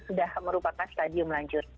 sudah merupakan stadium lanjut